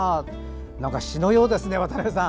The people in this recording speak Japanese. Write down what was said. なんか、詩のようですね渡邊さん。